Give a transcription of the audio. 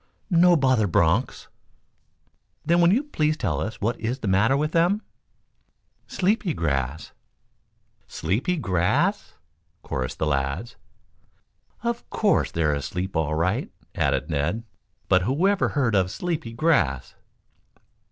"No bother bronchs." "Then will you please tell us what is the matter with them?" "Sleepy grass!" "Sleepy grass?" chorused the lads. "Of course they're asleep all right," added Ned. "But whoever heard of sleepy grass?"